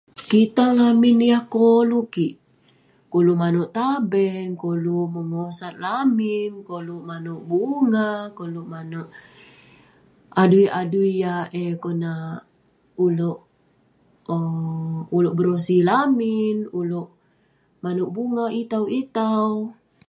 kitang lamin yah koluk kik, koluk manouk taben, koluk mengosat lamin, koluk manouk bunga, koluk manouk adui adui yah eh konak..ulouk um ulouk berosi lamin, ulouk manouk bunga itau itau